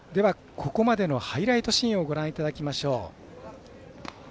ここまでのハイライトシーンをご覧いただきましょう。